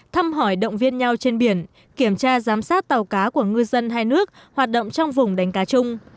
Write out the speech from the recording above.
thăm hỏi động viên nhau trên biển kiểm tra giám sát tàu cá của ngư dân hai nước hoạt động trong vùng đánh cá chung